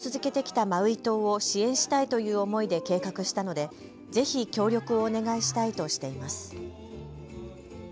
町は長年に渡って交流を続けてきたマウイ島を支援したいという思いで計画したのでぜひ協力をお願いしたいとしています。